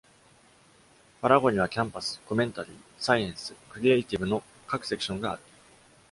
Farrago にはキャンパス、コメンタリー、サイエンス、クリエイティブの各セクションがある。